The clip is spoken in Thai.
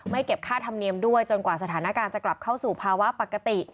เก็บค่าธรรมเนียมด้วยจนกว่าสถานการณ์จะกลับเข้าสู่ภาวะปกติ